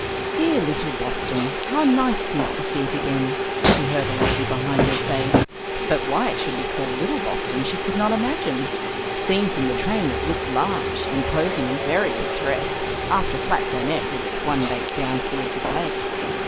"Dear little Boston! How nice it is to see it again!" she heard a lady behind her say; but why it should be called "little Boston" she could not imagine. Seen from the train, it looked large, imposing, and very picturesque, after flat Burnet with its one bank down to the edge of the lake.